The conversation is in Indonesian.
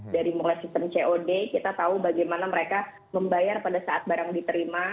dari mulai sistem cod kita tahu bagaimana mereka membayar pada saat barang diterima